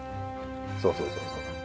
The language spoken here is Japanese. そうそうそうそう。